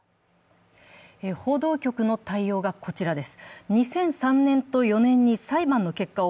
報道局の対応がこちらです。